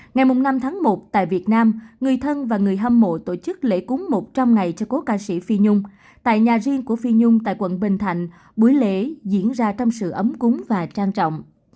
ngày năm tháng một tại việt nam người thân và người hâm mộ tổ chức lễ cúng một trăm linh ngày cho cốt ca sĩ phi nhung tại nhà riêng của phi nhung tại quận bình thạnh buổi lễ diễn ra trong sự ấm cúng và trang trọng